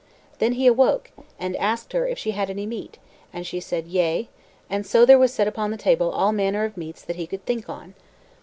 Then he awoke, and asked her if she had any meat, and she said yea, and so there was set upon the table all manner of meats that he could think on.